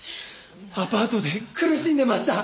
アパートで苦しんでました。